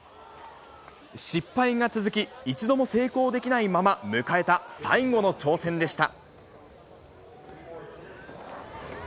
失敗が続き、一度も成功できないまま迎えた最後の挑戦でした。